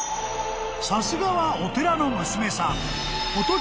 ［さすがはお寺の娘さん］